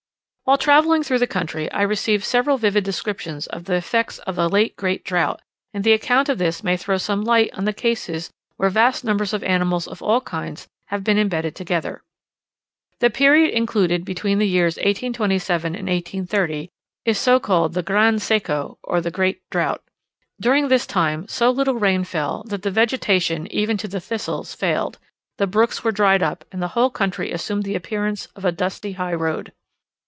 While travelling through the country, I received several vivid descriptions of the effects of a late great drought; and the account of this may throw some light on the cases where vast numbers of animals of all kinds have been embedded together. The period included between the years 1827 and 1830 is called the "gran seco," or the great drought. During this time so little rain fell, that the vegetation, even to the thistles, failed; the brooks were dried up, and the whole country assumed the appearance of a dusty high road.